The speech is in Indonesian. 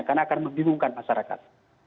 karena akan membingungkan masyarakat